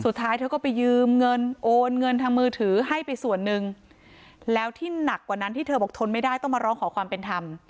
สุดท้ายเธอก็ไปยืมเงินโอนเงินทางมือถือให้ไปส่วนหนึ่งแล้วที่หนักกว่านั้นที่เธอบอกทนไม่ได้ต้องมาร้องขอความเป็นธรรม